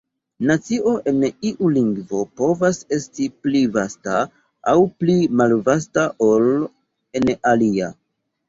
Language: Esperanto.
Nocio en iu lingvo povas esti pli vasta aŭ pli malvasta ol en alia.